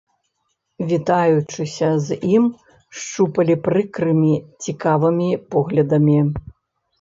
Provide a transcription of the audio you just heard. Вітаючыся з ім, шчупалі прыкрымі цікавымі поглядамі.